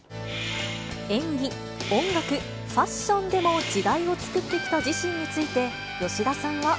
演技、音楽、ファッションでも時代を作ってきた自身について、吉田さんは。